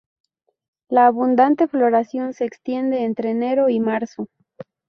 La abundante floración se extiende entre enero y marzo.